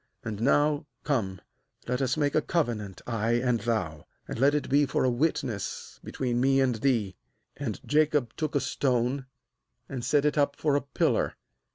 And now come, let us make a cove nant, I and thou; and let it be for a witness between me and thee.' 45And Jacob took a stone, and set it up for a pillar.